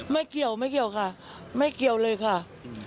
ไม่เกี่ยวไม่เกี่ยวค่ะไม่เกี่ยวเลยค่ะ